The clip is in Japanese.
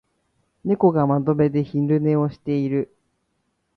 猫が窓辺で昼寝をしている。